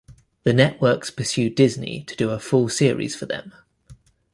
The networks pursued Disney to do a full series for them.